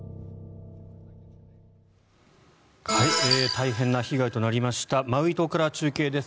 大変な被害となりましたマウイ島から中継です。